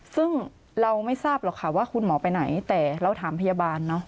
ซึ่งเราไม่ทราบหรอกค่ะว่าคุณหมอไปไหนแต่เราถามพยาบาลเนอะ